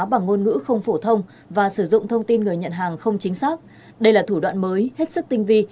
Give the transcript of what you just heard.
bằng ngôn ngữ không phổ thông và sử dụng thông tin người nhận hàng không chính xác đây là thủ đoạn mới hết sức tinh vi